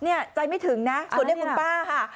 นี้ใจไม่ถึงนะฉุดเรียกคุณป้าค่ะ